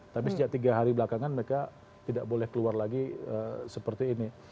tapi sejak tiga hari belakangan mereka tidak boleh keluar lagi seperti ini